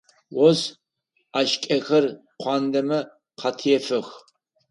Ос ӏашкӏэхэр куандэмэ къатефэх.